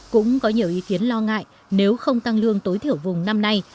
cũng có nhiều ý kiến lo ngại nếu không tăng lương tối thiểu vùng năm nay